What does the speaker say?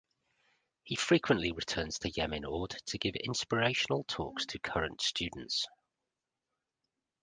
He frequently returns to Yemin Orde to give inspirational talks to current students.